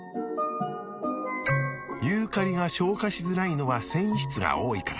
ユーカリが消化しづらいのは繊維質が多いから。